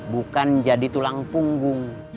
bukan jadi tulang punggung